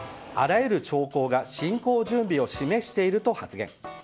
あらゆる兆候が侵攻準備を示していると発言。